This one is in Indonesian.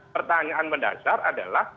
pertanyaan berdasar adalah